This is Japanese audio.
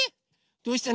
どうしたの？